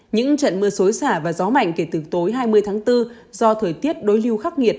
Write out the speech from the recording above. những trận mưa xối xả và gió mạnh kể từ tối hai mươi tháng bốn do thời tiết đối lưu khắc nghiệt